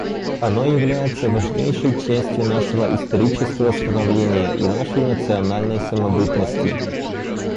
Оно является важнейшей частью нашего исторического становления и нашей национальной самобытности.